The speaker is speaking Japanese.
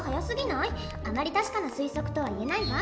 あまり確かな推測とはいえないわ。